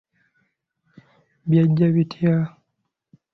Byajja bitya?